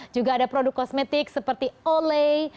juga ada produk kosmetik seperti olei